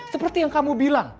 seperti yang kamu bilang